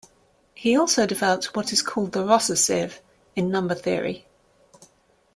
He also developed what is now called the "Rosser sieve", in number theory.